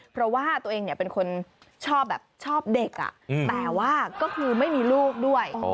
เพราะว่าตัวเองเป็นคนชอบแบบชอบเด็กแต่ว่าก็คือไม่มีลูกด้วย